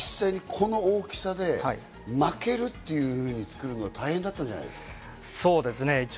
実際この大きさで巻けるように作るのって大変だったんじゃないですか？